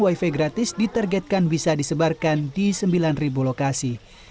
wifi gratis ditargetkan bisa disebarkan di sembilan lokasi